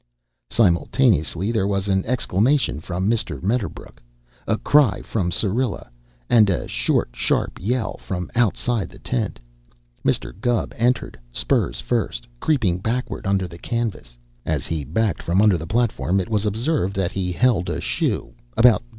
Simultaneously there was an exclamation from Mr. Medderbrook, a cry from Syrilla, and a short, sharp yell from outside the tent. Mr. Gubb entered, spurs first, creeping backward under the canvas. As he backed from under the platform it was observed that he held a shoe about No.